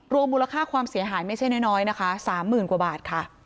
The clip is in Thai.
มูลค่าความเสียหายไม่ใช่น้อยนะคะ๓๐๐๐กว่าบาทค่ะ